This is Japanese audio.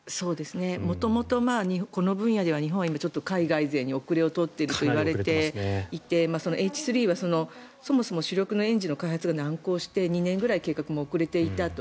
元々、この分野では日本は今、海外勢に後れを取っているといわれていてＨ３はそもそも主力のエンジンの開発が難航して２年ぐらい計画も遅れていたと。